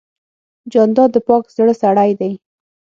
جانداد د پاک زړه سړی دی.